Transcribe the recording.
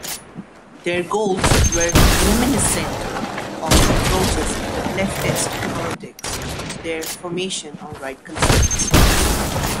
Their goals were reminiscent of approaches leftist politics, their formation on right concepts.